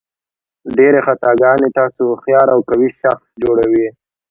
ډېرې خطاګانې تاسو هوښیار او قوي شخص جوړوي.